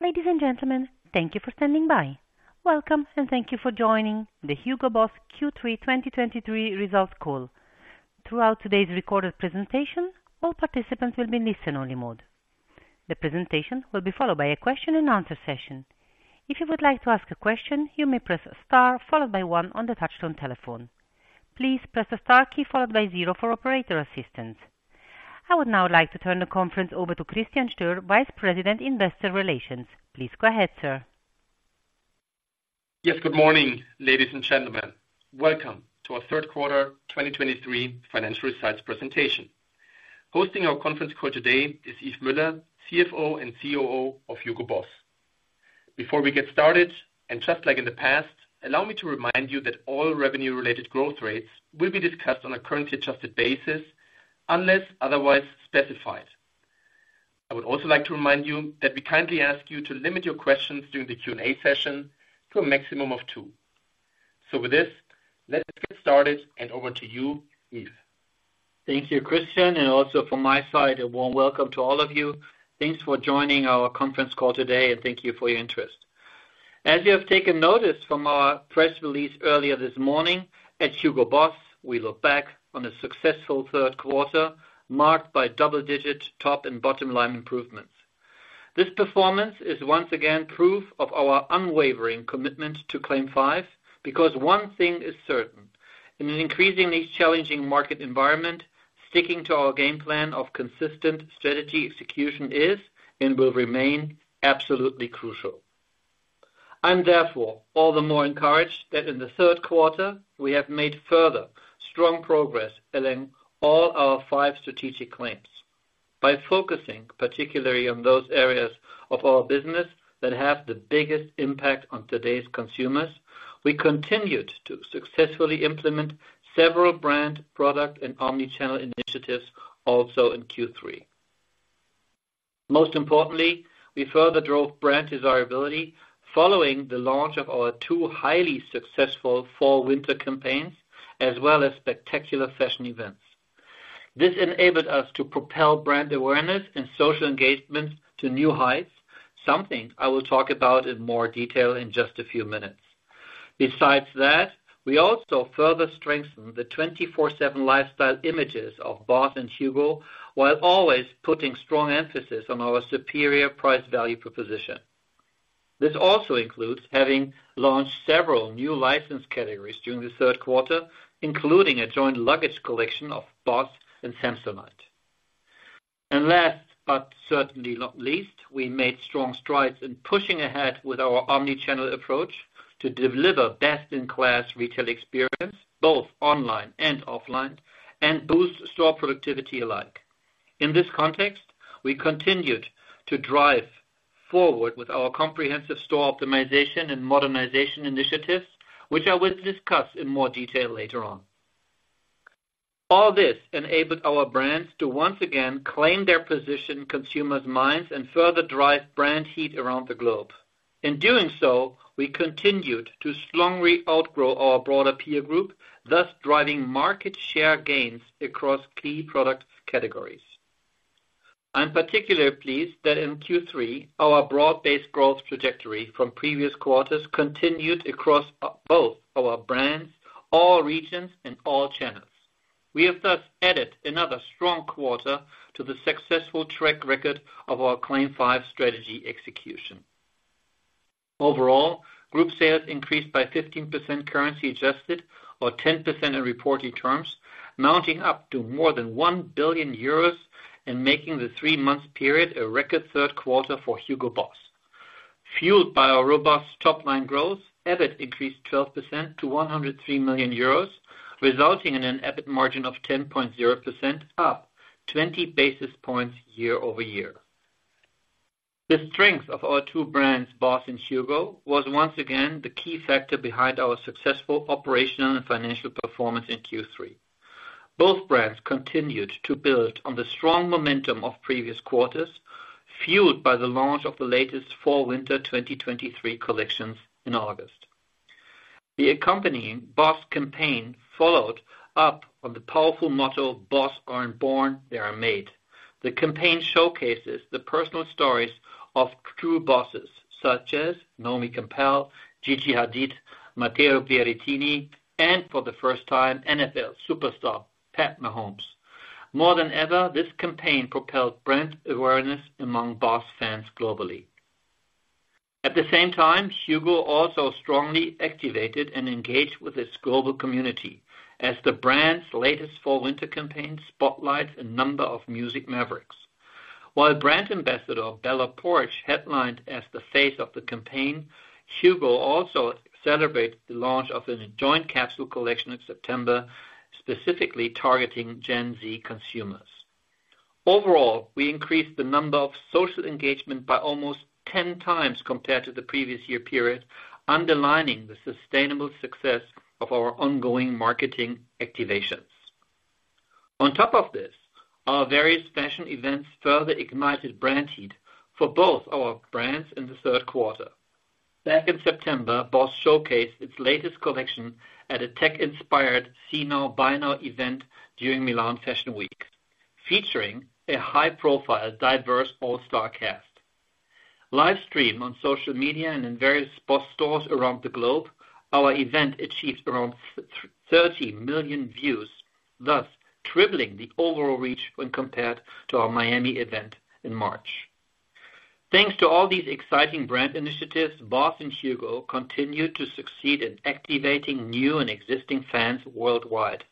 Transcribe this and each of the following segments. Ladies and gentlemen, thank you for standing by. Welcome, and thank you for joining the HUGO BOSS Q3 2023 Results Call. Throughout today's recorded presentation, all participants will be in listen-only mode. The presentation will be followed by a question and answer session. If you would like to ask a question, you may press star followed by one on the touch-tone telephone. Please press the star key followed by zero for operator assistance. I would now like to turn the conference over to Christian Stöhr, Vice President, Investor Relations. Please go ahead, sir. Yes, good morning, ladies and gentlemen. Welcome to our Third Quarter 2023 Financial Results Presentation. Hosting our conference call today is Yves Müller, CFO and COO of HUGO BOSS. Before we get started, and just like in the past, allow me to remind you that all revenue-related growth rates will be discussed on a currency-adjusted basis unless otherwise specified. I would also like to remind you that we kindly ask you to limit your questions during the Q&A session to a maximum of two. With this, let's get started, and over to you, Yves. Thank you, Christian, and also from my side, a warm welcome to all of you. Thanks for joining our conference call today, and thank you for your interest. As you have taken notice from our press release earlier this morning, at HUGO BOSS, we look back on a successful third quarter, marked by double-digit top and bottom-line improvements. This performance is once again proof of our unwavering commitment to CLAIM 5, because one thing is certain: in an increasingly challenging market environment, sticking to our game plan of consistent strategy execution is and will remain absolutely crucial. I'm therefore all the more encouraged that in the third quarter, we have made further strong progress along all our five strategic claims. By focusing particularly on those areas of our business that have the biggest impact on today's consumers, we continued to successfully implement several brand, product, and omnichannel initiatives also in Q3. Most importantly, we further drove brand desirability following the launch of our two highly successful Fall/Winter campaigns, as well as spectacular fashion events. This enabled us to propel brand awareness and social engagements to new heights, something I will talk about in more detail in just a few minutes. Besides that, we also further strengthened the 24/7 lifestyle images of BOSS and HUGO, while always putting strong emphasis on our superior price-value proposition. This also includes having launched several new license categories during the third quarter, including a joint luggage collection of BOSS and Samsonite. Last, but certainly not least, we made strong strides in pushing ahead with our omnichannel approach to deliver best-in-class retail experience, both online and offline, and boost store productivity alike. In this context, we continued to drive forward with our comprehensive store optimization and modernization initiatives, which I will discuss in more detail later on. All this enabled our brands to once again claim their position in consumers' minds and further drive brand heat around the globe. In doing so, we continued to strongly outgrow our broader peer group, thus driving market share gains across key product categories. I'm particularly pleased that in Q3, our broad-based growth trajectory from previous quarters continued across both our brands, all regions, and all channels. We have thus added another strong quarter to the successful track record of our CLAIM 5 strategy execution. Overall, group sales increased by 15% currency adjusted, or 10% in reporting terms, mounting up to more than 1 billion euros and making the three-month period a record third quarter for HUGO BOSS. Fueled by our robust top-line growth, EBIT increased 12% to 103 million euros, resulting in an EBIT margin of 10.0%, up 20 basis points year-over-year. The strength of our two brands, Boss and Hugo, was once again the key factor behind our successful operational and financial performance in Q3. Both brands continued to build on the strong momentum of previous quarters, fueled by the launch of the latest Fall/Winter 2023 collections in August. The accompanying BOSS campaign followed up on the powerful motto, "BOSSes aren't born, they are made." The campaign showcases the personal stories of true bosses such as Naomi Campbell, Gigi Hadid, Matteo Berrettini, and for the first time, NFL superstar Pat Mahomes. More than ever, this campaign propelled brand awareness among BOSS fans globally. At the same time, HUGO also strongly activated and engaged with its global community as the brand's latest Fall/Winter campaign spotlights a number of music mavericks. While brand ambassador Bella Poarch headlined as the face of the campaign, HUGO also celebrated the launch of a joint capsule collection in September, specifically targeting Gen Z consumers. Overall, we increased the number of social engagement by almost 10 times compared to the previous year period, underlining the sustainable success of our ongoing marketing activations. On top of this, our various fashion events further ignited brand heat for both our brands in the third quarter. Back in September, BOSS showcased its latest collection at a tech-inspired See-Now, Buy-Now event during Milan Fashion Week, featuring a high-profile, diverse, all-star cast. Live stream on social media and in various BOSS stores around the globe, our event achieved around 30 million views, thus tripling the overall reach when compared to our Miami event in March. Thanks to all these exciting brand initiatives, BOSS and HUGO continued to succeed in activating new and existing fans worldwide.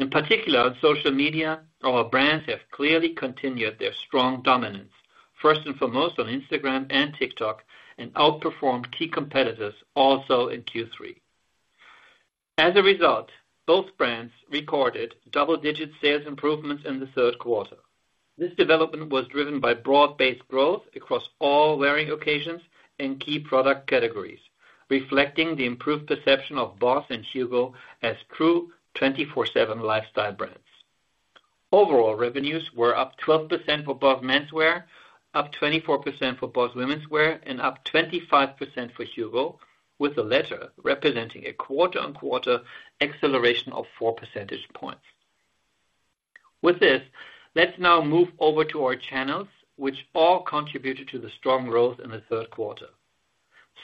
In particular, on social media, our brands have clearly continued their strong dominance, first and foremost on Instagram and TikTok, and outperformed key competitors also in Q3. As a result, both brands recorded double-digit sales improvements in the third quarter. This development was driven by broad-based growth across all wearing occasions and key product categories, reflecting the improved perception of BOSS and HUGO as true 24/7 lifestyle brands. Overall, revenues were up 12% for BOSS Menswear, up 24% for BOSS Womenswear, and up 25% for HUGO, with the latter representing a quarter-on-quarter acceleration of four percentage points. With this, let's now move over to our channels, which all contributed to the strong growth in the third quarter.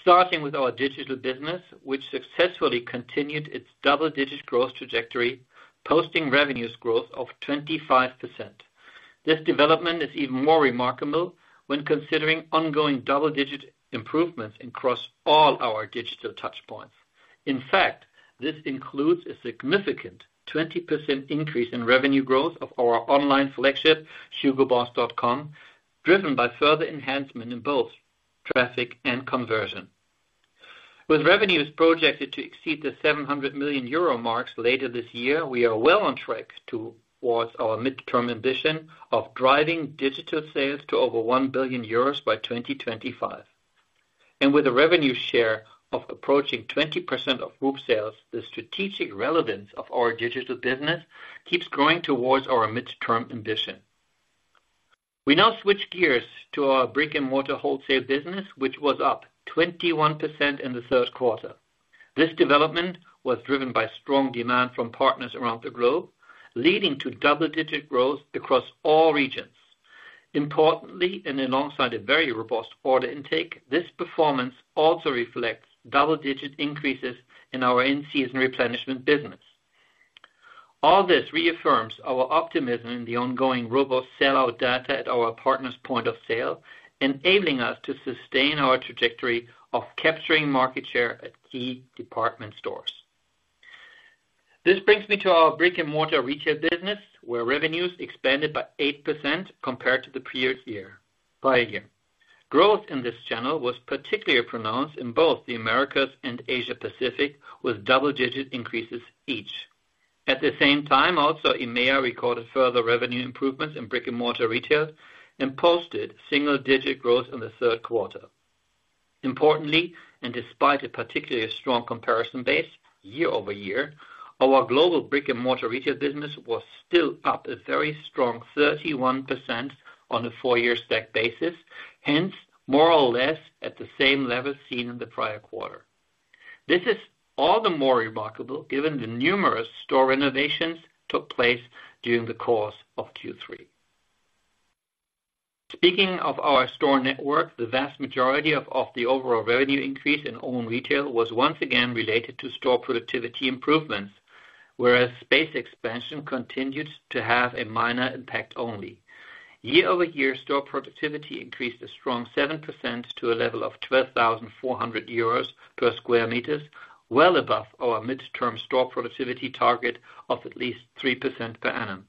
Starting with our digital business, which successfully continued its double-digit growth trajectory, posting revenues growth of 25%. This development is even more remarkable when considering ongoing double-digit improvements across all our digital touchpoints. In fact, this includes a significant 20% increase in revenue growth of our online flagship, hugoboss.com, driven by further enhancement in both traffic and conversion. With revenues projected to exceed the 700 million euro mark later this year, we are well on track towards our midterm ambition of driving digital sales to over 1 billion euros by 2025. With a revenue share of approaching 20% of group sales, the strategic relevance of our digital business keeps growing towards our midterm ambition. We now switch gears to our brick-and-mortar wholesale business, which was up 21% in the third quarter. This development was driven by strong demand from partners around the globe, leading to double-digit growth across all regions. Importantly, and alongside a very robust order intake, this performance also reflects double-digit increases in our in-season replenishment business. All this reaffirms our optimism in the ongoing robust sellout data at our partners' point of sale, enabling us to sustain our trajectory of capturing market share at key department stores. This brings me to our brick-and-mortar retail business, where revenues expanded by 8% compared to the prior year, prior year. Growth in this channel was particularly pronounced in both the Americas and Asia Pacific, with double-digit increases each. At the same time, also, EMEA recorded further revenue improvements in brick-and-mortar retail and posted single-digit growth in the third quarter. Importantly, and despite a particularly strong comparison base year-over-year, our global brick-and-mortar retail business was still up a very strong 31% on a four-year stack basis, hence more or less at the same level seen in the prior quarter. This is all the more remarkable given the numerous store renovations took place during the course of Q3. Speaking of our store network, the vast majority of the overall revenue increase in own retail was once again related to store productivity improvements, whereas space expansion continued to have a minor impact only. Year-over-year, store productivity increased a strong 7% to a level of 12,400 euros per square meters, well above our midterm store productivity target of at least 3% per annum.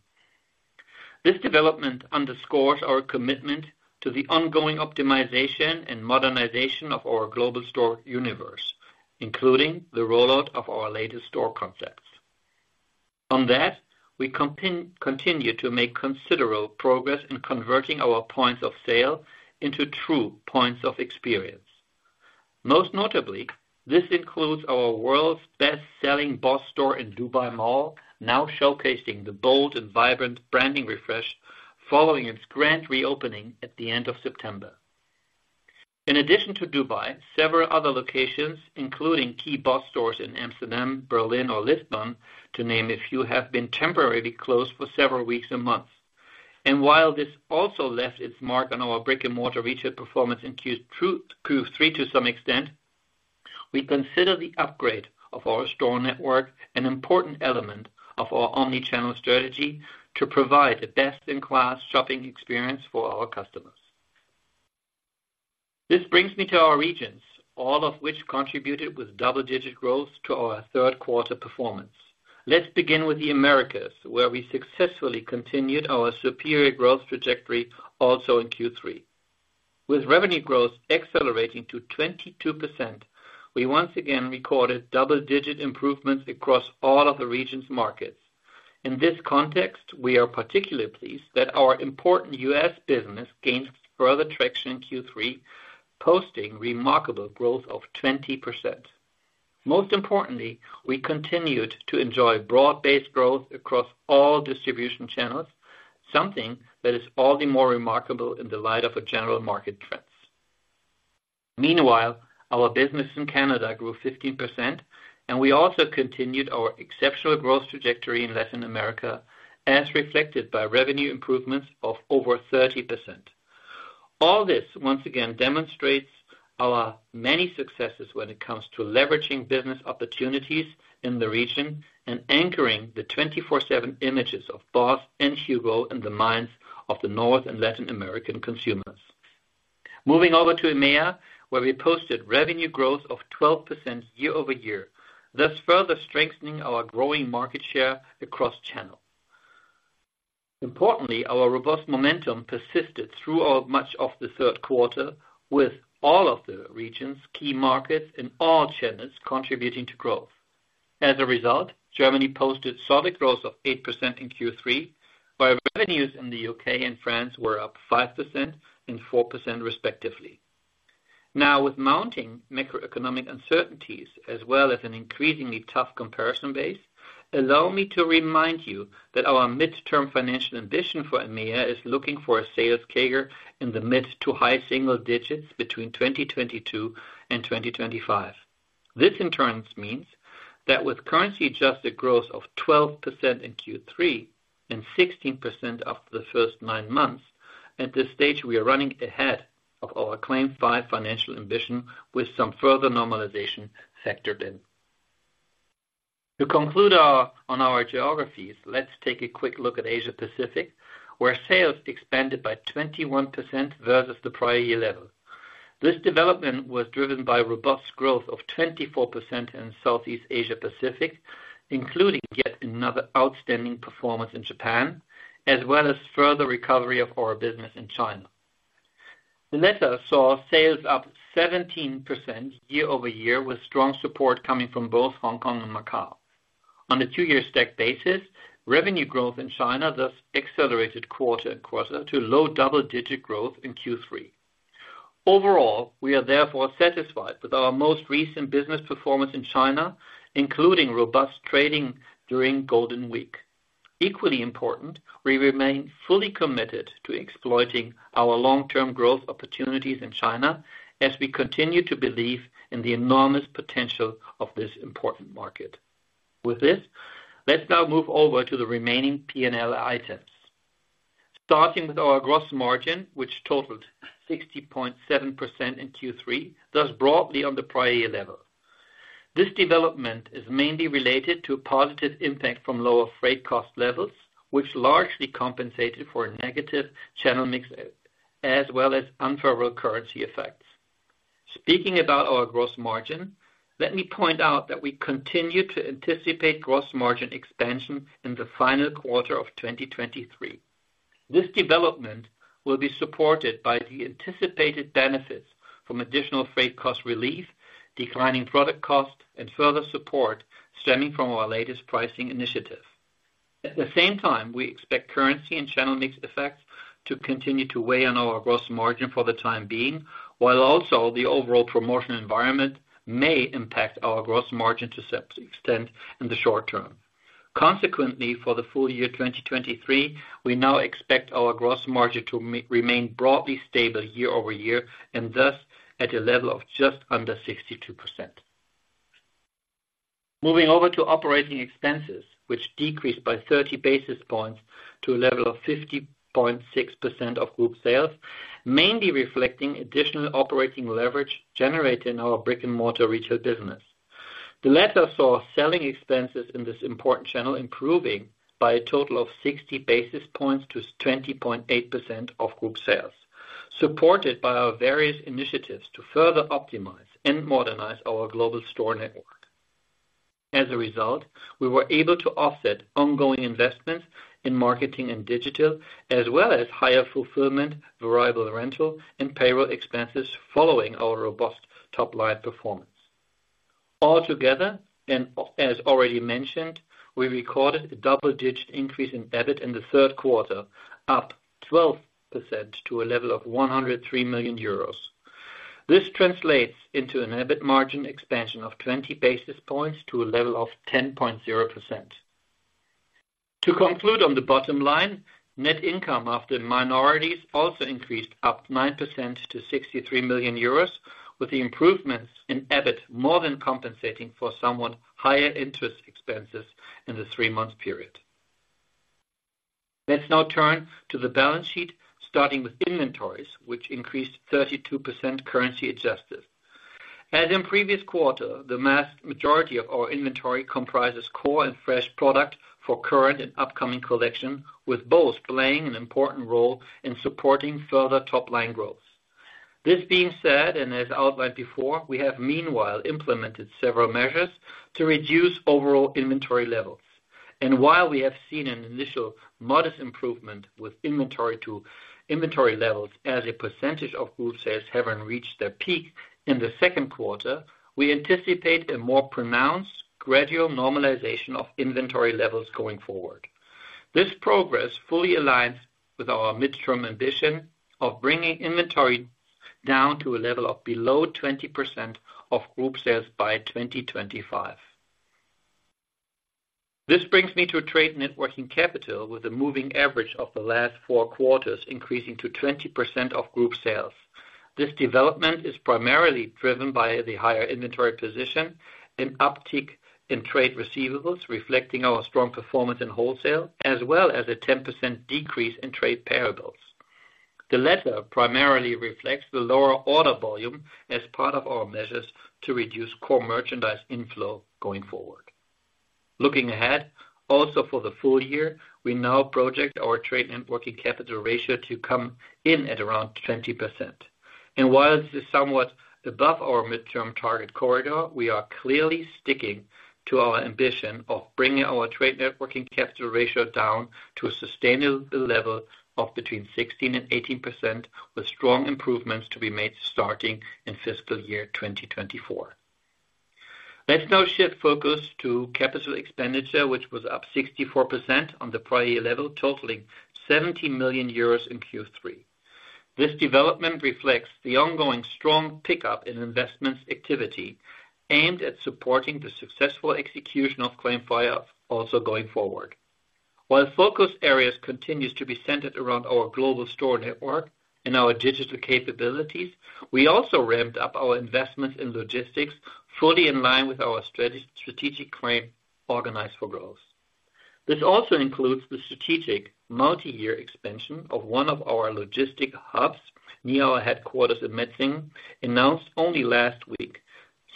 This development underscores our commitment to the ongoing optimization and modernization of our global store universe, including the rollout of our latest store concepts. On that, we continue to make considerable progress in converting our points of sale into true points of experience. Most notably, this includes our world's best-selling BOSS store in Dubai Mall, now showcasing the bold and vibrant branding refresh following its grand reopening at the end of September. In addition to Dubai, several other locations, including key BOSS stores in Amsterdam, Berlin or Lisbon, to name a few, have been temporarily closed for several weeks and months. And while this also left its mark on our brick-and-mortar retail performance in Q3, to some extent, we consider the upgrade of our store network an important element of our omni-channel strategy to provide the best-in-class shopping experience for our customers. This brings me to our regions, all of which contributed with double-digit growth to our third quarter performance. Let's begin with the Americas, where we successfully continued our superior growth trajectory also in Q3. With revenue growth accelerating to 22%, we once again recorded double-digit improvements across all of the region's markets. In this context, we are particularly pleased that our important U.S. business gained further traction in Q3, posting remarkable growth of 20%. Most importantly, we continued to enjoy broad-based growth across all distribution channels, something that is all the more remarkable in the light of general market trends. Meanwhile, our business in Canada grew 15%, and we also continued our exceptional growth trajectory in Latin America, as reflected by revenue improvements of over 30%. All this, once again, demonstrates our many successes when it comes to leveraging business opportunities in the region and anchoring the 24/7 images of BOSS and HUGO in the minds of the North and Latin American consumers. Moving over to EMEA, where we posted revenue growth of 12% year-over-year, thus further strengthening our growing market share across channels. Importantly, our robust momentum persisted throughout much of the third quarter, with all of the region's key markets and all channels contributing to growth. As a result, Germany posted solid growth of 8% in Q3, while revenues in the U.K. and France were up 5% and 4%, respectively. Now, with mounting macroeconomic uncertainties, as well as an increasingly tough comparison base, allow me to remind you that our midterm financial ambition for EMEA is looking for a sales CAGR in the mid- to high-single-digits between 2022 and 2025. This, in turn, means that with currency-adjusted growth of 12% in Q3 and 16% after the first nine months, at this stage, we are running ahead of our CLAIM 5 financial ambition with some further normalization factored in. To conclude on our geographies, let's take a quick look at Asia Pacific, where sales expanded by 21% versus the prior year level. This development was driven by robust growth of 24% in Southeast Asia Pacific, including yet another outstanding performance in Japan, as well as further recovery of our business in China. The latter saw sales up 17% year-over-year, with strong support coming from both Hong Kong and Macau. On a two-year stack basis, revenue growth in China, thus accelerated quarter-over-quarter to low double-digit growth in Q3. Overall, we are therefore satisfied with our most recent business performance in China, including robust trading during Golden Week. Equally important, we remain fully committed to exploiting our long-term growth opportunities in China as we continue to believe in the enormous potential of this important market. With this, let's now move over to the remaining P&L items. Starting with our gross margin, which totaled 60.7% in Q3, thus broadly on the prior year level. This development is mainly related to a positive impact from lower freight cost levels, which largely compensated for negative channel mix, as well as unfavorable currency effects. Speaking about our gross margin, let me point out that we continue to anticipate gross margin expansion in the final quarter of 2023. This development will be supported by the anticipated benefits from additional freight cost relief, declining product costs, and further support stemming from our latest pricing initiative. At the same time, we expect currency and channel mix effects to continue to weigh on our gross margin for the time being, while also the overall promotion environment may impact our gross margin to some extent in the short term. Consequently, for the full year 2023, we now expect our gross margin to remain broadly stable year-over-year, and thus at a level of just under 62%. Moving over to operating expenses, which decreased by 30 basis points to a level of 50.6% of group sales, mainly reflecting additional operating leverage generated in our brick-and-mortar retail business. The latter saw selling expenses in this important channel improving by a total of 60 basis points to 20.8% of group sales, supported by our various initiatives to further optimize and modernize our global store network. As a result, we were able to offset ongoing investments in marketing and digital, as well as higher fulfillment, variable rental, and payroll expenses following our robust top-line performance. Altogether, and, as already mentioned, we recorded a double-digit increase in EBIT in the third quarter, up 12% to a level of 103 million euros. This translates into an EBIT margin expansion of 20 basis points to a level of 10.0%. To conclude on the bottom line, net income after minorities also increased, up 9% to 63 million euros, with the improvements in EBIT more than compensating for somewhat higher interest expenses in the three-month period. Let's now turn to the balance sheet, starting with inventories, which increased 32% currency adjusted. As in previous quarter, the majority of our inventory comprises core and fresh product for current and upcoming collection, with both playing an important role in supporting further top-line growth. This being said, and as outlined before, we have meanwhile implemented several measures to reduce overall inventory levels. And while we have seen an initial modest improvement with inventory levels as a percentage of group sales having reached their peak in the second quarter, we anticipate a more pronounced, gradual normalization of inventory levels going forward. This progress fully aligns with our mid-term ambition of bringing inventory down to a level of below 20% of group sales by 2025. This brings me to trade net working capital, with a moving average of the last four quarters increasing to 20% of group sales. This development is primarily driven by the higher inventory position, an uptick in trade receivables, reflecting our strong performance in wholesale, as well as a 10% decrease in trade payables. The latter primarily reflects the lower order volume as part of our measures to reduce core merchandise inflow going forward. Looking ahead, also for the full year, we now project our trade net working capital ratio to come in at around 20%. And while this is somewhat above our midterm target corridor, we are clearly sticking to our ambition of bringing our trade net working capital ratio down to a sustainable level of between 16% and 18%, with strong improvements to be made starting in fiscal year 2024. Let's now shift focus to capital expenditure, which was up 64% on the prior year level, totaling 70 million euros in Q3. This development reflects the ongoing strong pickup in investments activity, aimed at supporting the successful execution of CLAIM 5 also going forward. While focus areas continues to be centered around our global store network and our digital capabilities, we also ramped up our investments in logistics, fully in line with our strategic claim, Organize for Growth. This also includes the strategic multi-year expansion of one of our logistic hubs near our headquarters in Metzingen, announced only last week,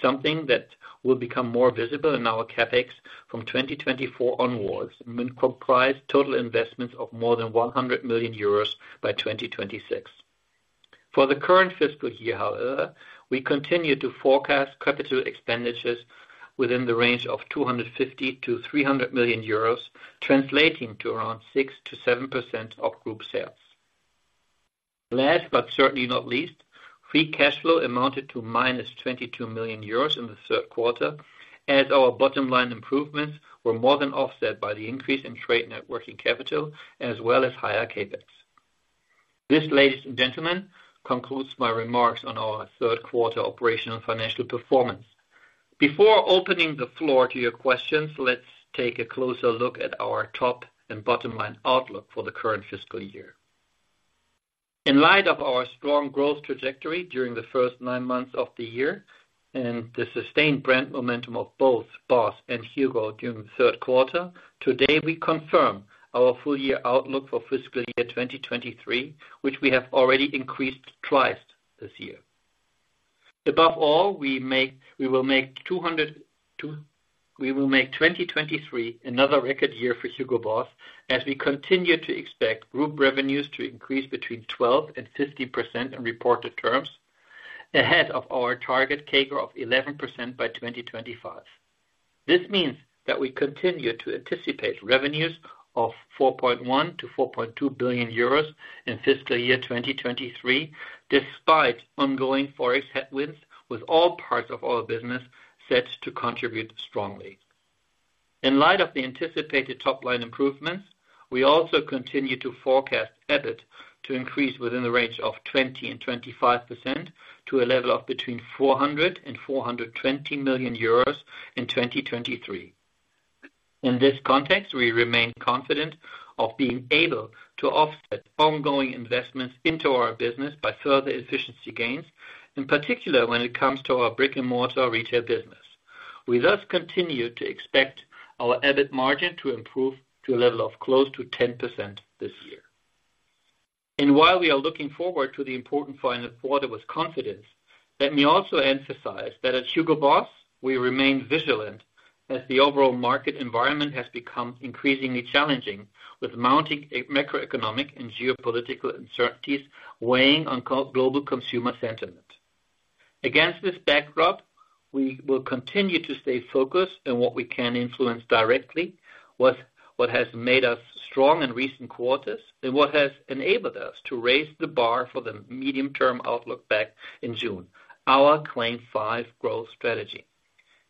something that will become more visible in our CapEx from 2024 onwards, and comprise total investments of more than 100 million euros by 2026. For the current fiscal year, however, we continue to forecast capital expenditures within the range of 250 million-300 million euros, translating to around 6%-7% of group sales. Last, but certainly not least, free cash flow amounted to -22 million euros in the third quarter, as our bottom line improvements were more than offset by the increase in trade net working capital, as well as higher CapEx. This, ladies and gentlemen, concludes my remarks on our third quarter operational financial performance. Before opening the floor to your questions, let's take a closer look at our top and bottom line outlook for the current fiscal year. In light of our strong growth trajectory during the first nine months of the year, and the sustained brand momentum of both BOSS and HUGO during the third quarter, today, we confirm our full-year outlook for fiscal year 2023, which we have already increased twice this year. Above all, we will make 2023 another record year for HUGO BOSS, as we continue to expect group revenues to increase between 12% and 15% in reported terms, ahead of our target CAGR of 11% by 2025. This means that we continue to anticipate revenues of 4.1 billion-4.2 billion euros in fiscal year 2023, despite ongoing Forex headwinds, with all parts of our business set to contribute strongly. In light of the anticipated top-line improvements, we also continue to forecast EBIT to increase within the range of 20%-25% to a level of between 400 million euros and 420 million euros in 2023. In this context, we remain confident of being able to offset ongoing investments into our business by further efficiency gains, in particular, when it comes to our brick-and-mortar retail business. We thus continue to expect our EBIT margin to improve to a level of close to 10% this year. While we are looking forward to the important final quarter with confidence, let me also emphasize that at HUGO BOSS, we remain vigilant, as the overall market environment has become increasingly challenging, with mounting macroeconomic and geopolitical uncertainties weighing on global consumer sentiment. Against this backdrop, we will continue to stay focused on what we can influence directly, what has made us strong in recent quarters, and what has enabled us to raise the bar for the medium-term outlook back in June, our CLAIM 5 growth strategy.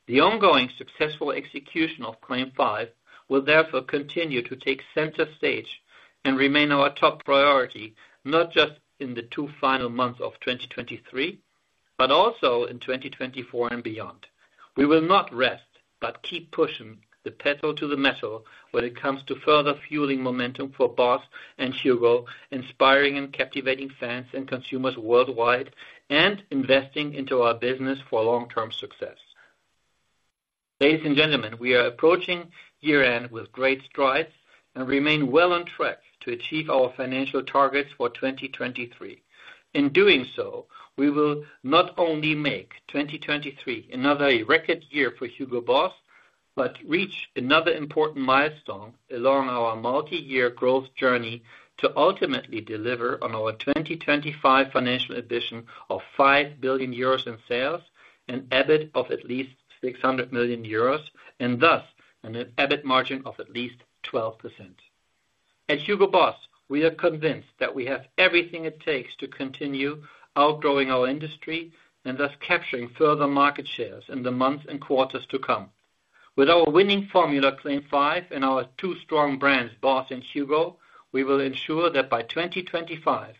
The ongoing successful execution of CLAIM 5 will therefore continue to take center stage and remain our top priority, not just in the 2 final months of 2023, but also in 2024 and beyond. We will not rest, but keep pushing the pedal to the metal when it comes to further fueling momentum for BOSS and HUGO, inspiring and captivating fans and consumers worldwide, and investing into our business for long-term success. Ladies and gentlemen, we are approaching year-end with great strides and remain well on track to achieve our financial targets for 2023. In doing so, we will not only make 2023 another record year for HUGO BOSS, but reach another important milestone along our multi-year growth journey to ultimately deliver on our 2025 financial ambition of 5 billion euros in sales, an EBIT of at least 600 million euros, and thus an EBIT margin of at least 12%. At HUGO BOSS, we are convinced that we have everything it takes to continue outgrowing our industry and thus capturing further market shares in the months and quarters to come. With our winning formula, CLAIM 5, and our two strong brands, BOSS and HUGO, we will ensure that by 2025,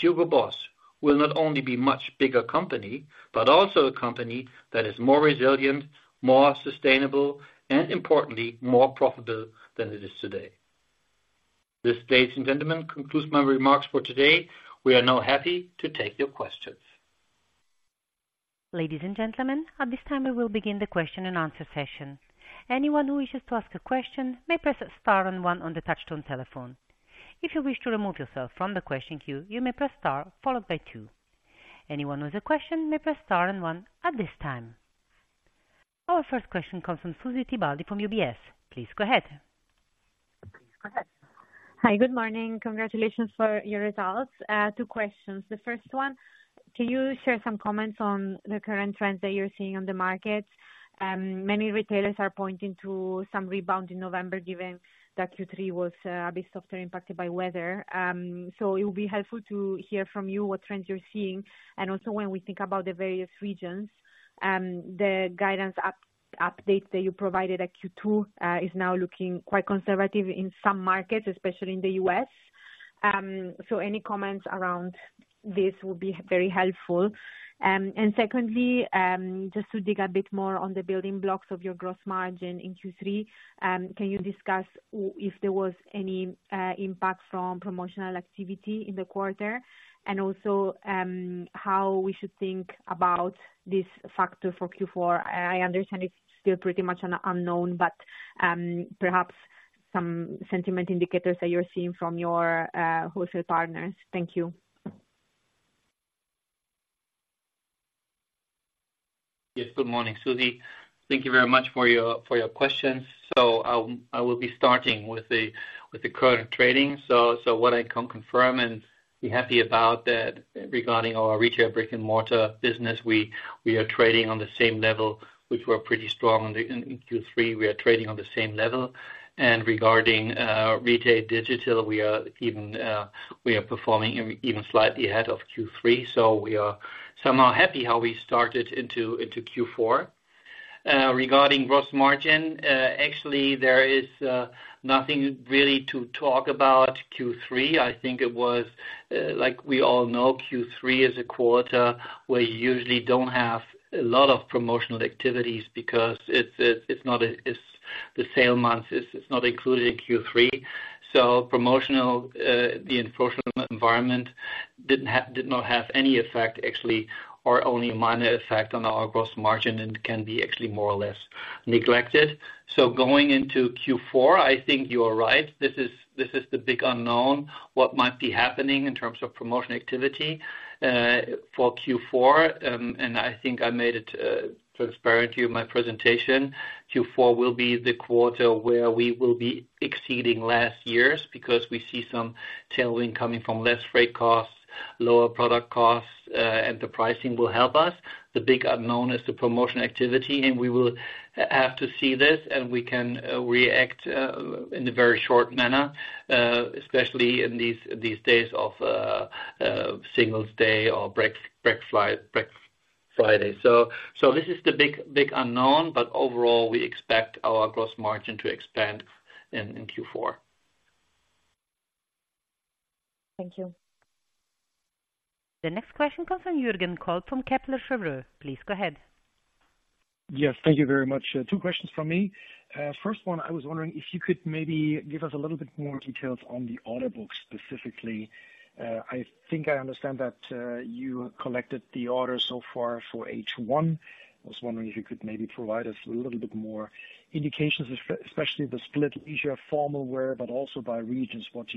HUGO BOSS will not only be a much bigger company, but also a company that is more resilient, more sustainable, and importantly, more profitable than it is today. This, ladies and gentlemen, concludes my remarks for today. We are now happy to take your questions. Ladies and gentlemen, at this time, we will begin the question and answer session. Anyone who wishes to ask a question may press star and one on the touchtone telephone. If you wish to remove yourself from the question queue, you may press star followed by two. Anyone with a question may press star and one at this time. Our first question comes from Susy Tibaldi from UBS. Please go ahead. Hi, good morning. Congratulations for your results. Two questions. The first one, can you share some comments on the current trends that you're seeing on the market? Many retailers are pointing to some rebound in November, given that Q3 was a bit softer impacted by weather. So it will be helpful to hear from you what trends you're seeing, and also when we think about the various regions. The guidance update that you provided at Q2 is now looking quite conservative in some markets, especially in the U.S. So any comments around this would be very helpful. And secondly, just to dig a bit more on the building blocks of your gross margin in Q3, can you discuss if there was any impact from promotional activity in the quarter? And also, how we should think about this factor for Q4. I understand it's still pretty much an unknown, but perhaps some sentiment indicators that you're seeing from your wholesale partners. Thank you. Yes, good morning, Susy. Thank you very much for your questions. So I'll be starting with the current trading. So what I can confirm and be happy about that regarding our retail brick-and-mortar business, we are trading on the same level, which we're pretty strong in Q3. We are trading on the same level. And regarding retail digital, we are performing even slightly ahead of Q3. So we are somehow happy how we started into Q4. Regarding gross margin, actually, there is nothing really to talk about Q3. I think it was like we all know, Q3 is a quarter where you usually don't have a lot of promotional activities because it's not a sale month. It's not included in Q3. So promotional, the promotional environment did not have any effect, actually, or only a minor effect on our gross margin, and can be actually more or less neglected. So going into Q4, I think you are right. This is the big unknown, what might be happening in terms of promotion activity for Q4. And I think I made it transparent to you in my presentation. Q4 will be the quarter where we will be exceeding last year's, because we see some tailwind coming from less freight costs, lower product costs, and the pricing will help us. The big unknown is the promotion activity, and we will have to see this, and we can react in a very short manner, especially in these days of Singles' Day or Black Friday. So, this is the big, big unknown, but overall, we expect our gross margin to expand in Q4. Thank you. The next question comes from Jürgen Kolb from Kepler Cheuvreux. Please go ahead. Yes, thank you very much. Two questions from me. First one, I was wondering if you could maybe give us a little bit more details on the order books specifically. I think I understand that you collected the order so far for H1. I was wondering if you could maybe provide us a little bit more indications, especially the split leisure formal wear, but also by regions, what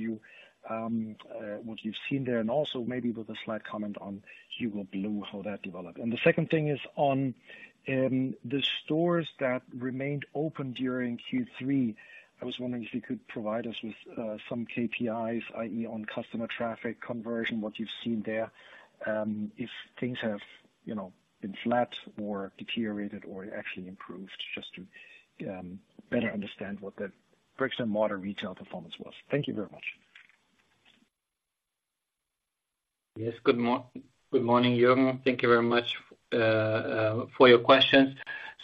you've seen there, and also maybe with a slight comment on HUGO BLUE, how that developed. The second thing is on the stores that remained open during Q3. I was wondering if you could provide us with some KPIs, i.e., on customer traffic conversion, what you've seen there. If things have, you know, been flat or deteriorated or actually improved, just to better understand what the bricks-and-mortar retail performance was. Thank you very much. Yes. Good morning, Jürgen. Thank you very much for your questions.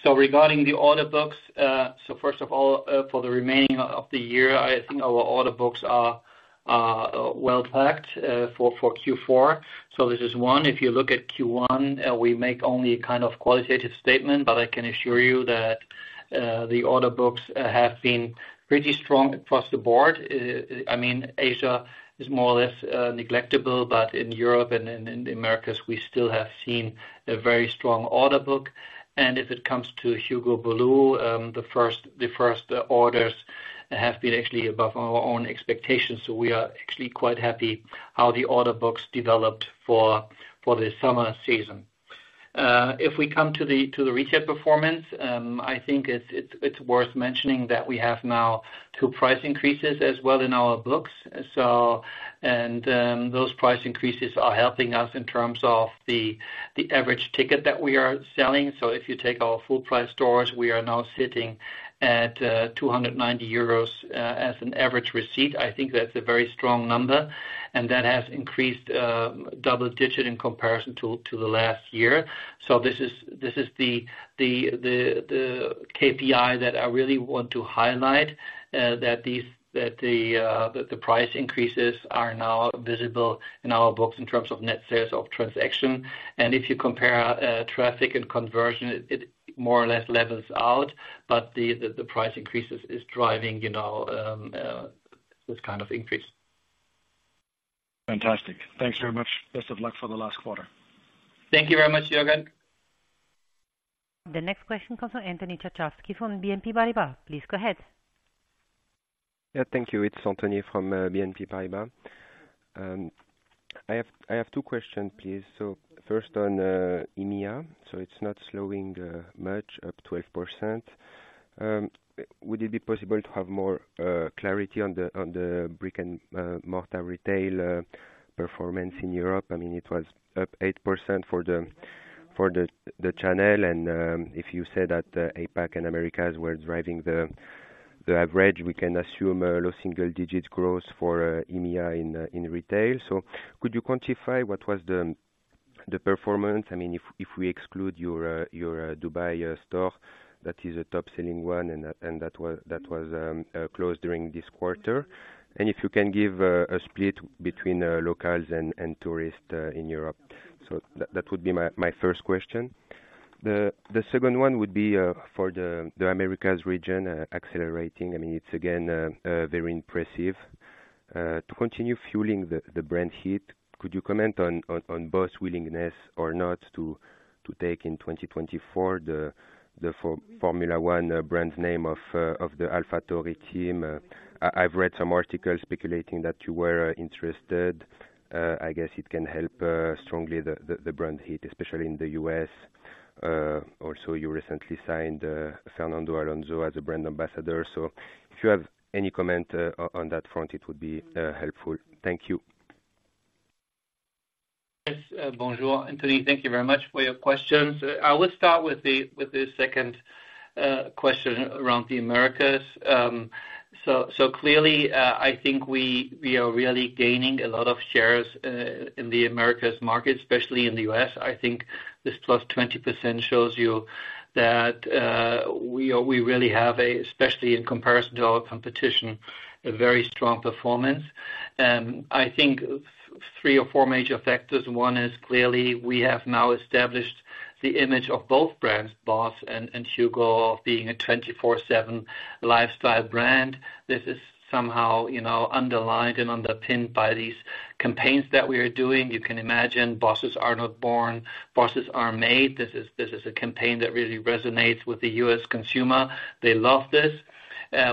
So regarding the order books, so first of all, for the remaining of the year, I think our order books are well-packed for Q4. So this is one. If you look at Q1, we make only a kind of qualitative statement, but I can assure you that the order books have been pretty strong across the board. I mean, Asia is more or less neglectable, but in Europe and in the Americas, we still have seen a very strong order book. And if it comes to HUGO BLUE, the first orders have been actually above our own expectations, so we are actually quite happy how the order books developed for the summer season. If we come to the retail performance, I think it's worth mentioning that we have now two price increases as well in our books. So, those price increases are helping us in terms of the average ticket that we are selling. So if you take our full price stores, we are now sitting at 290 euros as an average receipt. I think that's a very strong number, and that has increased double-digit in comparison to the last year. So this is the KPI that I really want to highlight, that the price increases are now visible in our books in terms of net sales of transaction. If you compare traffic and conversion, it more or less levels out, but the price increases is driving, you know, this kind of increase. Fantastic. Thanks very much. Best of luck for the last quarter. Thank you very much, Jürgen. The next question comes from Anthony Charchafji from BNP Paribas. Please go ahead. Yeah. Thank you. It's Anthony from BNP Paribas. I have two questions, please. So first on EMEA, so it's not slowing much, up 12%. Would it be possible to have more clarity on the brick and mortar retail performance in Europe? I mean, it was up 8% for the channel, and if you said that APAC and Americas were driving the average, we can assume a low single digit growth for EMEA in retail. So could you quantify what was the performance? I mean, if we exclude your Dubai store, that is a top-selling one, and that was closed during this quarter. If you can give a split between locals and tourists in Europe. So that would be my first question. The second one would be for the Americas region accelerating. I mean, it's again very impressive. To continue fueling the brand heat, could you comment on BOSS willingness or not to take in 2024 the Formula One brand name of the AlphaTauri team? I've read some articles speculating that you were interested. I guess it can help strongly the brand heat, especially in the U.S. Also, you recently signed Fernando Alonso as a brand ambassador. So if you have any comment on that front, it would be helpful. Thank you. Yes. Bonjour, Anthony. Thank you very much for your questions. I will start with the second question around the Americas. So, clearly, I think we are really gaining a lot of shares in the Americas market, especially in the U.S. I think this plus 20% shows you that we really have, especially in comparison to our competition, a very strong performance. I think three or four major factors. One is clearly we have now established the image of both brands, BOSS and HUGO, being a 24/7 lifestyle brand. This is somehow, you know, underlined and underpinned by these campaigns that we are doing. You can imagine, bosses are not born, bosses are made. This is a campaign that really resonates with the U.S. consumer. They love this.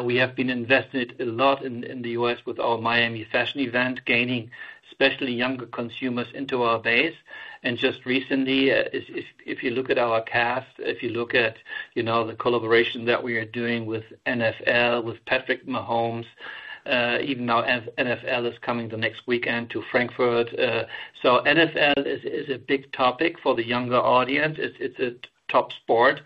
We have been invested a lot in the U.S. with our Miami fashion event, gaining especially younger consumers into our base. And just recently, if you look at our cast, if you look at, you know, the collaboration that we are doing with NFL, with Patrick Mahomes, even now, NFL is coming the next weekend to Frankfurt. So NFL is a big topic for the younger audience. It's a top sport,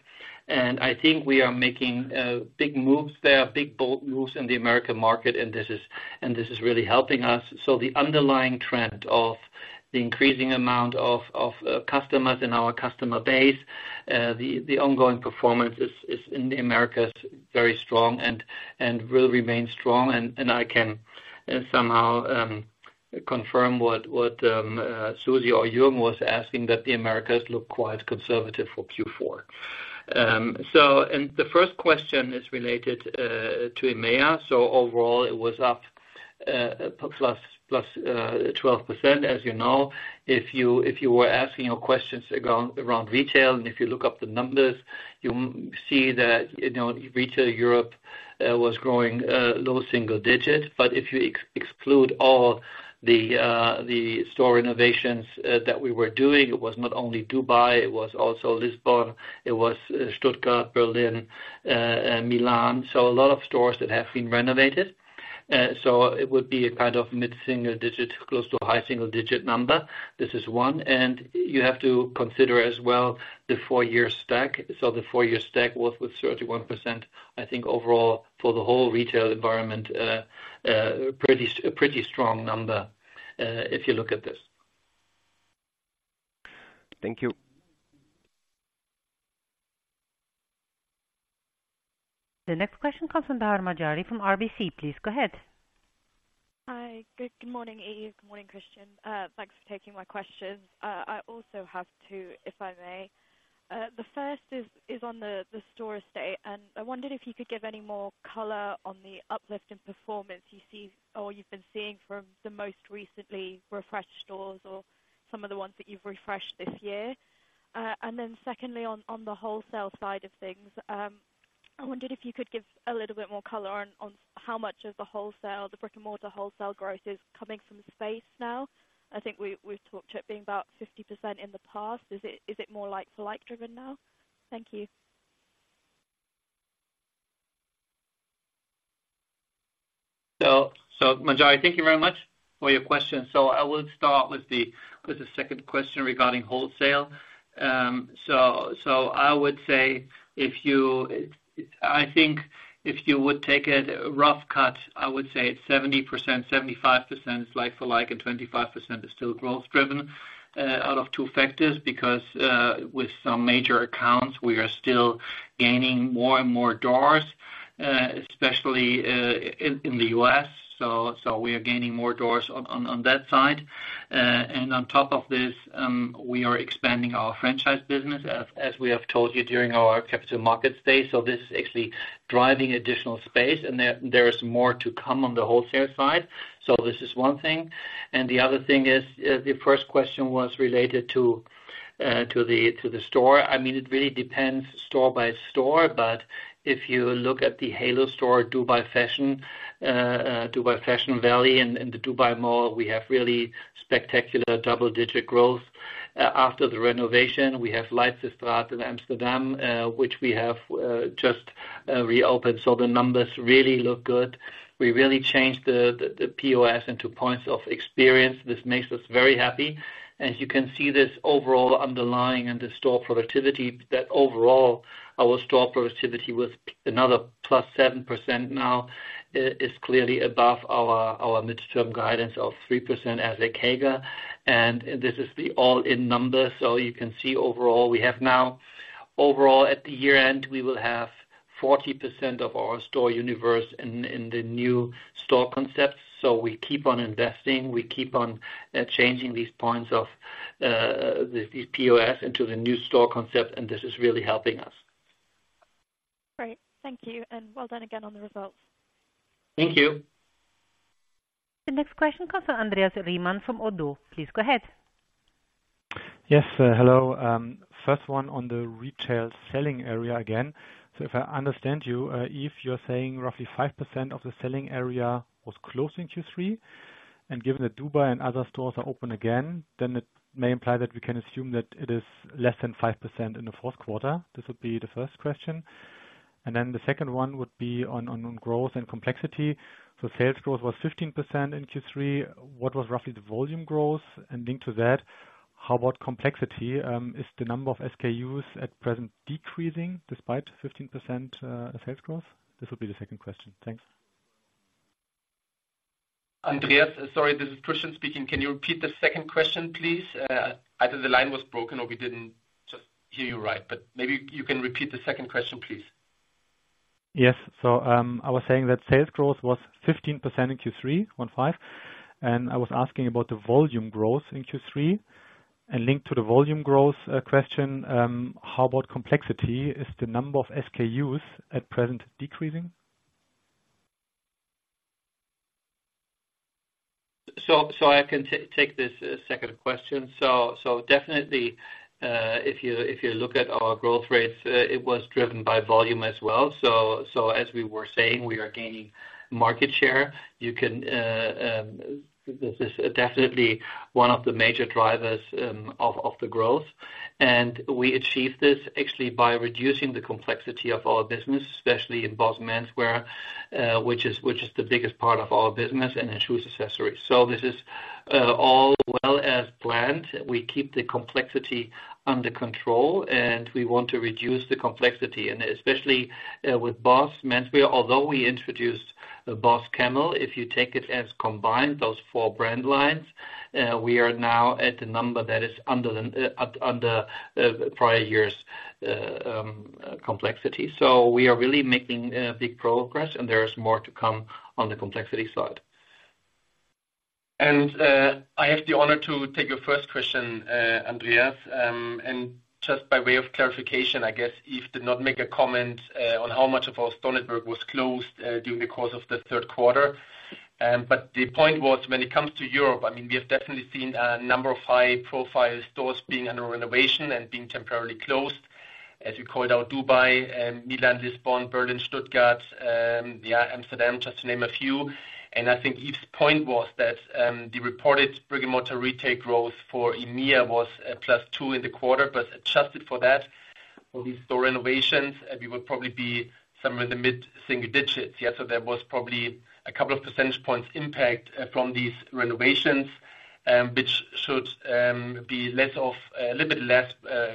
and I think we are making big moves there, big, bold moves in the American market, and this is really helping us. So the underlying trend of the increasing amount of customers in our customer base, the ongoing performance is in the Americas, very strong and will remain strong. I can somehow confirm what Susy or Jürgen was asking, that the Americas look quite conservative for Q4. So the first question is related to EMEA. So overall, it was up plus 12%, as you know. If you were asking your questions around retail, and if you look up the numbers, you see that, you know, retail Europe was growing low single digits. But if you exclude all the store renovations that we were doing, it was not only Dubai, it was also Lisbon, it was Stuttgart, Berlin and Milan. So a lot of stores that have been renovated. So it would be a kind of mid-single digit, close to a high single digit number. This is one, and you have to consider as well the four-year stack. So the four-year stack was with 31%. I think overall, for the whole retail environment, a pretty strong number, if you look at this. Thank you. The next question comes from Manjari Dhar, from RBC. Please go ahead. Hi. Good, good morning, Yves. Good morning, Christian. Thanks for taking my questions. I also have two, if I may. The first is on the store estate, and I wondered if you could give any more color on the uplift in performance you see or you've been seeing from the most recently refreshed stores or some of the ones that you've refreshed this year. And then secondly, on the wholesale side of things, I wondered if you could give a little bit more color on how much of the wholesale, the brick-and-mortar wholesale growth is coming from space now? I think we, we've talked to it being about 50% in the past. Is it more like for like driven now? Thank you. So, Manjari, thank you very much for your question. So I will start with the second question regarding wholesale. So I would say if you, I think, if you would take a rough cut, I would say it's 70%-75% like-for-like, and 25% is still growth driven out of two factors. Because with some major accounts, we are still gaining more and more doors, especially in the U.S. So we are gaining more doors on that side. And on top of this, we are expanding our franchise business, as we have told you during our capital market stage. So this is actually driving additional space, and there is more to come on the wholesale side. So this is one thing. The other thing is, the first question was related to, to the, to the store. I mean, it really depends store by store, but if you look at the Halo store, Dubai Fashion Avenue and the Dubai Mall, we have really spectacular double-digit growth. After the renovation, we have Leidsestraat in Amsterdam, which we have just reopened. So the numbers really look good. We really changed the POS into Points of Experience. This makes us very happy. As you can see, this overall underlying and the store productivity, that overall, our store productivity was another +7%. Now, is clearly above our midterm guidance of 3% as a CAGR, and this is the all-in number. So you can see overall, we have now overall, at the year-end, we will have 40% of our store universe in, in the new store concepts. So we keep on investing, we keep on changing these points of the, the POS into the new store concept, and this is really helping us. Great. Thank you, and well done again on the results. Thank you. The next question comes from Andreas Riemann from ODDO. Please go ahead. Yes, hello. First one on the retail selling area again. So if I understand you, if you're saying roughly 5% of the selling area was closed in Q3, and given that Dubai and other stores are open again, then it may imply that we can assume that it is less than 5% in the fourth quarter. This would be the first question. And then the second one would be on growth and complexity. So sales growth was 15% in Q3. What was roughly the volume growth? And linked to that, how about complexity? Is the number of SKUs at present decreasing despite 15% sales growth? This will be the second question. Thanks. Andreas, sorry, this is Christian speaking. Can you repeat the second question, please? Either the line was broken or we didn't just hear you right. But maybe you can repeat the second question, please. Yes. I was saying that sales growth was 15% in Q3, and I was asking about the volume growth in Q3. Linked to the volume growth question, how about complexity? Is the number of SKUs at present decreasing? So I can take this second question. So definitely, if you look at our growth rates, it was driven by volume as well. So as we were saying, we are gaining market share. You can, this is definitely one of the major drivers of the growth. And we achieved this actually by reducing the complexity of our business, especially in BOSS Menswear, which is the biggest part of our business, and in shoes accessories. So this is all well as planned. We keep the complexity under control, and we want to reduce the complexity, and especially with BOSS Menswear. Although we introduced the BOSS Camel, if you take it as combined, those four brand lines, we are now at the number that is under the prior year's complexity. So we are really making big progress, and there is more to come on the complexity side. I have the honor to take your first question, Andreas. And just by way of clarification, I guess, Yves did not make a comment on how much of our store network was closed during the course of the third quarter. But the point was, when it comes to Europe, I mean, we have definitely seen a number of high-profile stores being under renovation and being temporarily closed. As you called out, Dubai, Milan, Lisbon, Berlin, Stuttgart, Amsterdam, just to name a few. And I think Yves' point was that, the reported brick-and-mortar retail growth for EMEA was +2% in the quarter, but adjusted for that, for these store renovations, we would probably be somewhere in the mid-single digits. Yeah, so there was probably a couple of percentage points impact from these renovations, which should be less of a little bit less,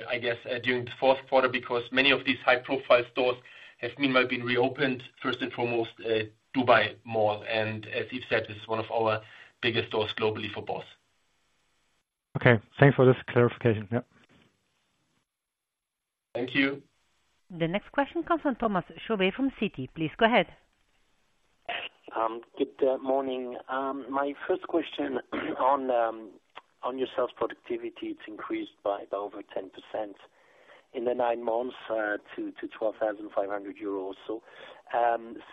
I guess, during the fourth quarter, because many of these high-profile stores have meanwhile been reopened, first and foremost, Dubai Mall. And as Yves said, this is one of our biggest stores globally for BOSS. Okay, thanks for this clarification. Yep. Thank you. The next question comes from Thomas Chauvet from Citi. Please go ahead. Good morning. My first question on your sales productivity, it's increased by over 10% in the nine months to 12,500 euros or so.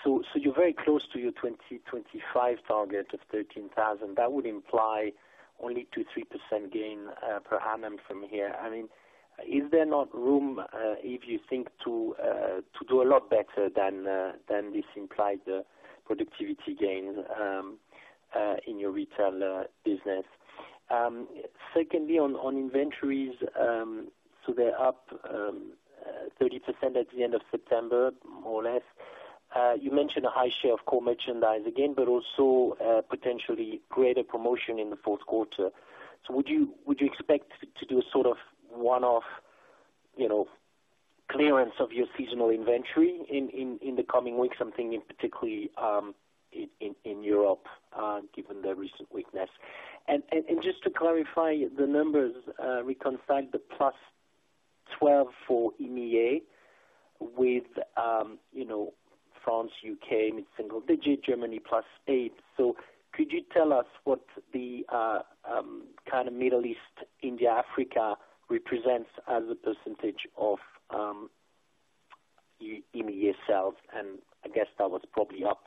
So you're very close to your 2025 target of 13,000. That would imply only 2%-3% gain per annum from here. I mean, is there not room, if you think, to do a lot better than this implied productivity gain in your retail business? Secondly, on inventories, so they're up 30% at the end of September, more or less. You mentioned a high share of core merchandise again, but also potentially greater promotion in the fourth quarter. So would you expect to do a sort of one-off, you know, clearance of your seasonal inventory in the coming weeks, something in particular in Europe, given the recent weakness? And just to clarify the numbers, reconcile the +12% for EMEA with, you know, France, U.K., mid-single digit, Germany, +8%. So could you tell us what the kind of Middle East, India, Africa represents as a percentage of EMEA sales? And I guess that was probably up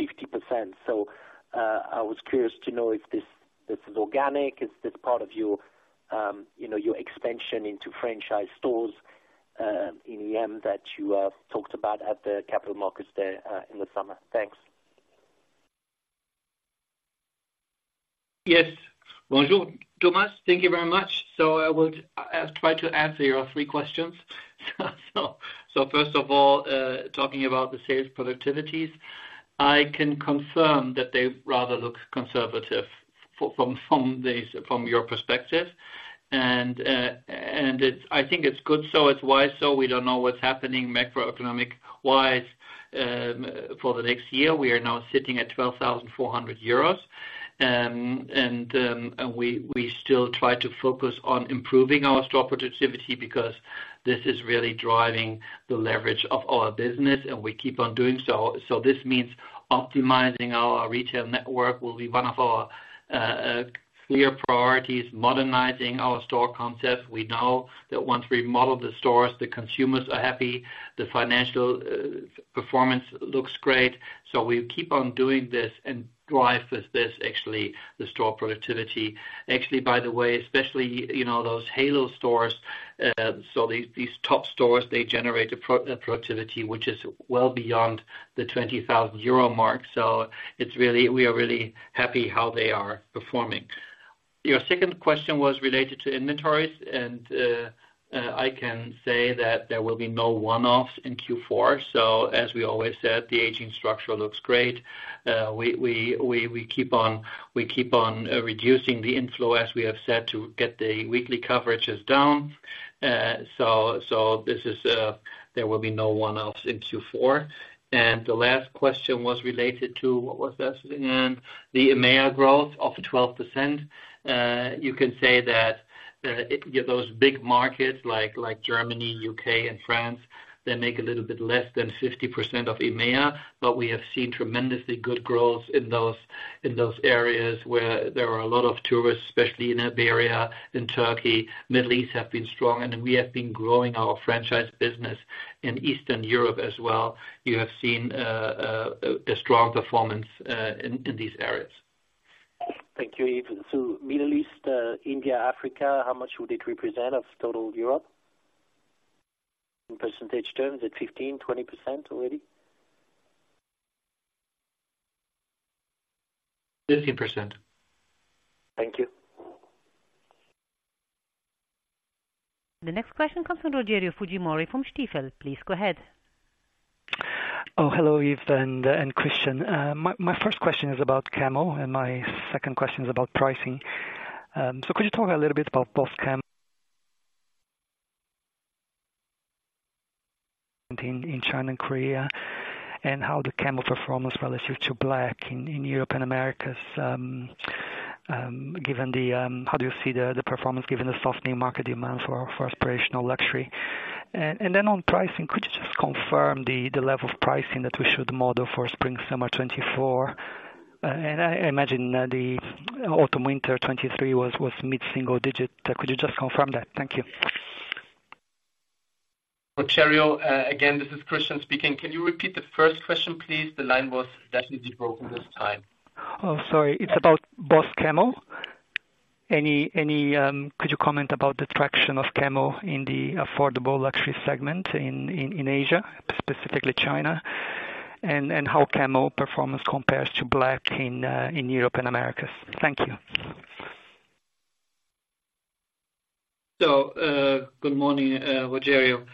50%. So I was curious to know if this is organic, is this part of your, you know, your expansion into franchise stores in EM that you talked about at the Capital Markets Day in the summer? Thanks. Yes. Bonjour, Thomas, thank you very much. So I would try to answer your three questions. So first of all, talking about the sales productivities, I can confirm that they rather look conservative from your perspective. And it's good, so it's wise, so we don't know what's happening macroeconomic-wise for the next year. We are now sitting at 12,400 euros. And we still try to focus on improving our store productivity, because this is really driving the leverage of our business, and we keep on doing so. So this means optimizing our retail network will be one of our clear priorities, modernizing our store concept. We know that once we remodel the stores, the consumers are happy, the financial performance looks great. So we keep on doing this and drive this, this actually, the store productivity. Actually, by the way, especially, you know, those halo stores, so these top stores, they generate a productivity, which is well beyond the 20,000 euro mark. So it's really... We are really happy how they are performing. Your second question was related to inventories, and I can say that there will be no one-offs in Q4. So as we always said, the aging structure looks great. We keep on reducing the inflow, as we have said, to get the weekly coverages down. So this is, there will be no one-offs in Q4. And the last question was related to, what was this? The EMEA growth of 12%. You can say that those big markets like Germany, U.K., and France, they make a little bit less than 50% of EMEA, but we have seen tremendously good growth in those areas where there are a lot of tourists, especially in Iberia, in Turkey, Middle East have been strong, and we have been growing our franchise business in Eastern Europe as well. You have seen a strong performance in these areas. Thank you, Yves. Middle East, India, Africa, how much would it represent of total Europe? In percentage terms, at 15%-20% already? 15%. Thank you. The next question comes from Rogerio Fujimori from Stifel. Please go ahead. Oh, hello, Yves and, and Christian. My, my first question is about Camel, and my second question is about pricing. So could you talk a little bit about both Camel... In, in China and Korea, and how the Camel performance relative to Black in, in Europe and Americas, given the, how do you see the, the performance given the softening market demand for aspirational luxury? And, and then on pricing, could you just confirm the, the level of pricing that we should model for Spring/Summer 2024? And I imagine that the Autumn/Winter 2023 was, was mid-single digit. Could you just confirm that? Thank you. Rogerio, again, this is Christian speaking. Can you repeat the first question, please? The line was definitely broken this time. Oh, sorry. It's about BOSS Camel. Could you comment about the traction of Camel in the affordable luxury segment in Asia, specifically China, and how Camel performance compares to Black in Europe and Americas? Thank you. Good morning, Rogerio.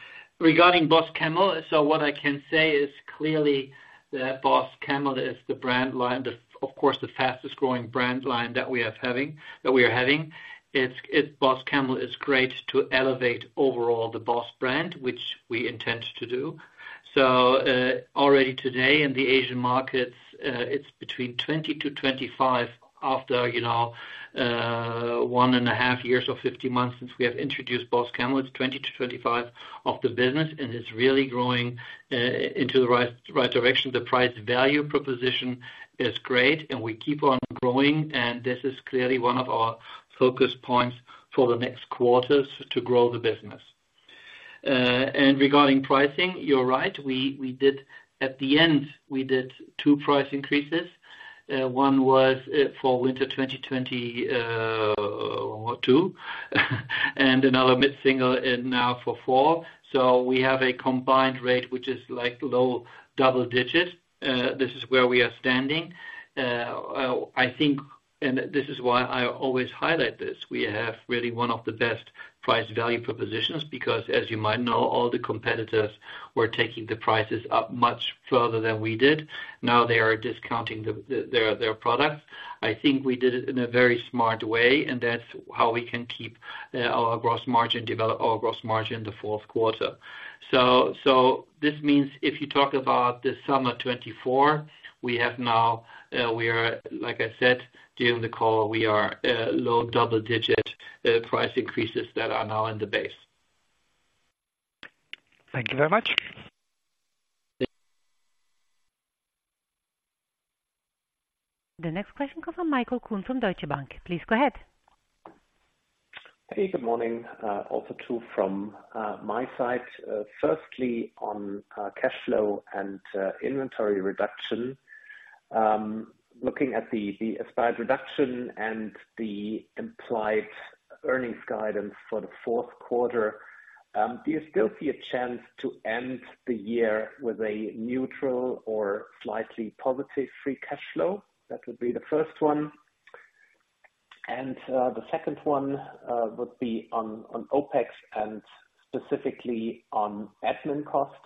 Regarding BOSS Camel, what I can say is clearly that BOSS Camel is the brand line, of course, the fastest growing brand line that we are having, that we are having. It's, it-- BOSS Camel is great to elevate overall the BOSS brand, which we intend to do. Already today in the Asian markets, it's between 20%-25% after, you know, one and a half years or 15 months since we have introduced BOSS Camel. It's 20%-25% of the business, and it's really growing into the right, right direction. The price value proposition is great, and we keep on growing, and this is clearly one of our focus points for the next quarters to grow the business. And regarding pricing, you're right, we, we did, at the end, we did two price increases. One was for Winter 2022, and another mid-single and low for four. So we have a combined rate, which is like low double digits. This is where we are standing. I think, and this is why I always highlight this, we have really one of the best price value propositions, because as you might know, all the competitors were taking the prices up much further than we did. Now they are discounting their products. I think we did it in a very smart way, and that's how we can keep our gross margin develop our gross margin in the fourth quarter. So, this means if you talk about the summer 2024, we have now, we are, like I said, during the call, we are, low double-digit price increases that are now in the base. Thank you very much. The next question comes from Michael Kuhn from Deutsche Bank. Please go ahead. Hey, good morning also from my side. Firstly, on cash flow and inventory reduction. Looking at the aspired reduction and the implied earnings guidance for the fourth quarter, do you still see a chance to end the year with a neutral or slightly positive free cash flow? That would be the first one. And the second one would be on OpEx and specifically on admin costs.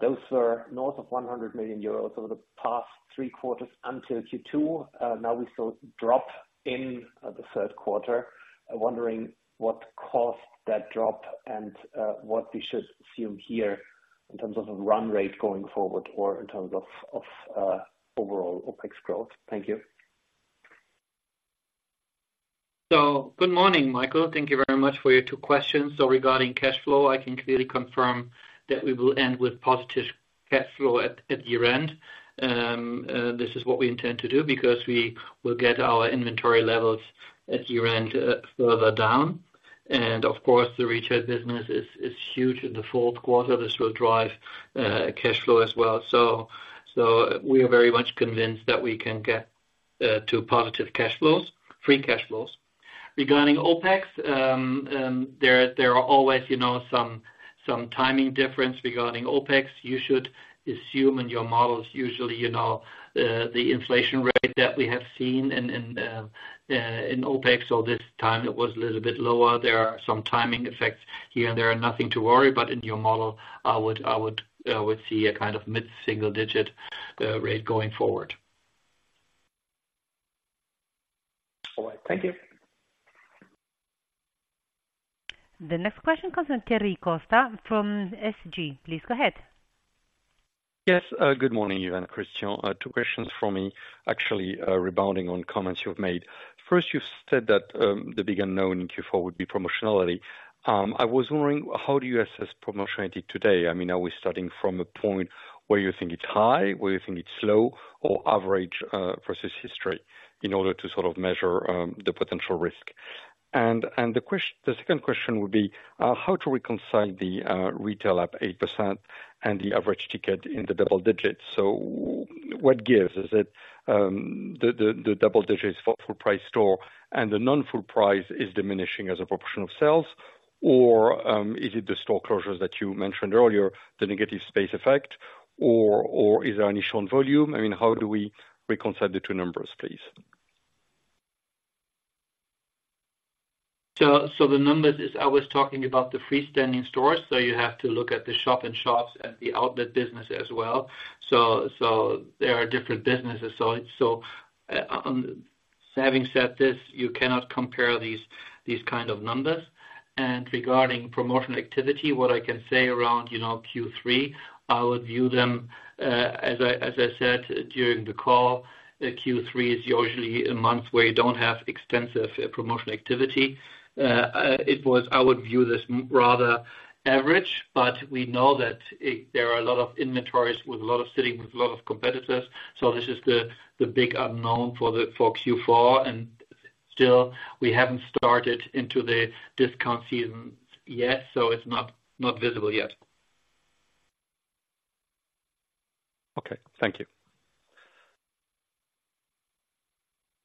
Those were north of 100 million euros over the past three quarters until Q2. Now we saw a drop in the third quarter. I'm wondering what caused that drop and what we should assume here in terms of a run rate going forward or in terms of overall OpEx growth. Thank you. So good morning, Michael. Thank you very much for your two questions. So regarding cash flow, I can clearly confirm that we will end with positive cash flow at year-end. This is what we intend to do, because we will get our inventory levels at year-end further down. And of course, the retail business is huge in the fourth quarter. This will drive cash flow as well. So we are very much convinced that we can get to positive cash flows, free cash flows. Regarding OpEx, there are always, you know, some timing difference regarding OpEx. You should assume in your models, usually, you know, the inflation rate that we have seen in OpEx, so this time it was a little bit lower. There are some timing effects here and there, nothing to worry, but in your model, I would see a kind of mid-single digit rate going forward. All right. Thank you. The next question comes from Thierry Cota from SG. Please go ahead. Yes, good morning, Yves and Christian. Two questions from me, actually, rebounding on comments you've made. First, you've said that, the big unknown in Q4 would be promotionality. I was wondering, how do you assess promotionality today? I mean, are we starting from a point where you think it's high, where you think it's low or average, versus history, in order to sort of measure, the potential risk? The second question would be, how to reconcile the, retail up 8% and the average ticket in the double digits. What gives? Is it, the double digits for full price store and the non-full price is diminishing as a proportion of sales? Or, is it the store closures that you mentioned earlier, the negative space effect, or, or is there any shown volume? I mean, how do we reconcile the two numbers, please? The numbers is, I was talking about the freestanding stores, so you have to look at the shop-in-shops and the outlet business as well. There are different businesses. Having said this, you cannot compare these kind of numbers. And regarding promotional activity, what I can say around, you know, Q3, I would view them, as I said during the call, Q3 is usually a month where you don't have extensive promotional activity. I would view this rather average, but we know that there are a lot of inventories with a lot of sitting, with a lot of competitors. This is the big unknown for Q4, and still we haven't started into the discount season yet, so it's not visible yet. Okay. Thank you.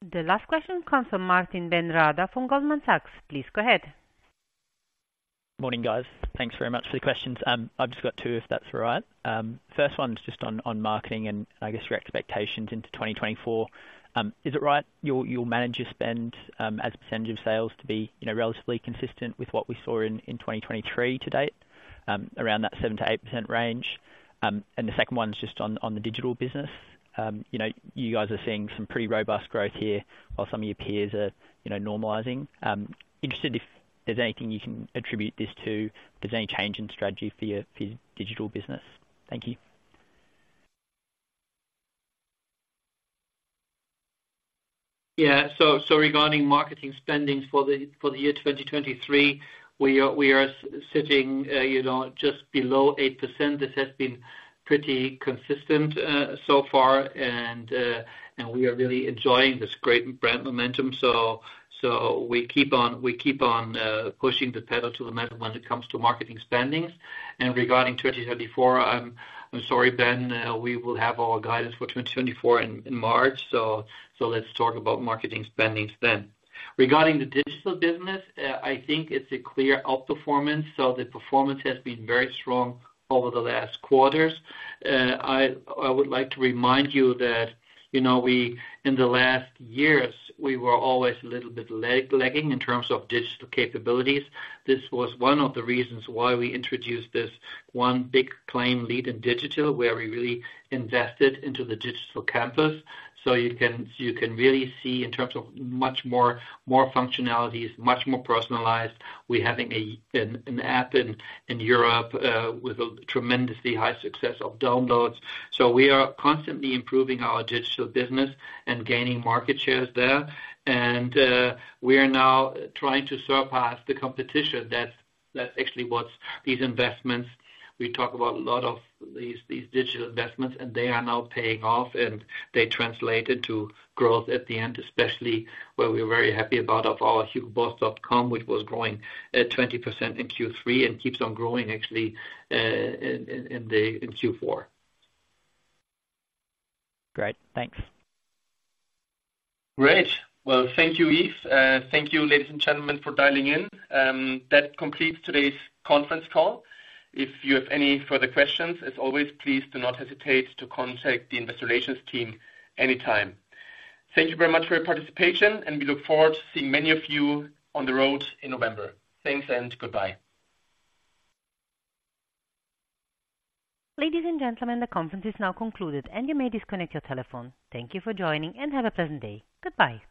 The last question comes from Martijn Den Drijver from Goldman Sachs. Please go ahead. Morning, guys. Thanks very much for the questions. I've just got two, if that's all right. First one is just on marketing and I guess your expectations into 2024. Is it right, you'll manage your spend as a percentage of sales to be, you know, relatively consistent with what we saw in 2023 to date, around that 7%-8% range? And the second one is just on the digital business. You know, you guys are seeing some pretty robust growth here while some of your peers are, you know, normalizing. Interested if there's anything you can attribute this to, there's any change in strategy for your digital business. Thank you. Yeah. So, regarding marketing spendings for the year 2023, we are sitting, you know, just below 8%. This has been pretty consistent so far, and we are really enjoying this great brand momentum. So, we keep on pushing the pedal to the metal when it comes to marketing spendings. And regarding 2024, I'm sorry, Ben, we will have our guidance for 2024 in March. So, let's talk about marketing spendings then. Regarding the digital business, I think it's a clear outperformance, so the performance has been very strong over the last quarters. I would like to remind you that, you know, we, in the last years, we were always a little bit lagging in terms of digital capabilities. This was one of the reasons why we introduced this one big claim, Lead in Digital, where we really invested into the Digital Campus. So you can really see in terms of much more functionalities, much more personalized. We're having an app in Europe with a tremendously high success of downloads. So we are constantly improving our digital business and gaining market shares there. And we are now trying to surpass the competition. That's actually what these investments we talk about a lot of these digital investments, and they are now paying off, and they translated to growth at the end, especially where we're very happy about of our hugoboss.com, which was growing at 20% in Q3 and keeps on growing actually in Q4. Great. Thanks. Great. Well, thank you, Yves. Thank you, ladies and gentlemen, for dialing in. That completes today's conference call. If you have any further questions, as always, please do not hesitate to contact the investor relations team anytime. Thank you very much for your participation, and we look forward to seeing many of you on the road in November. Thanks, and goodbye. Ladies and gentlemen, the conference is now concluded, and you may disconnect your telephone. Thank you for joining, and have a pleasant day. Goodbye.